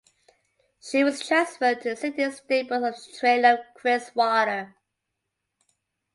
She was transferred to the Sydney stables of trainer Chris Waller.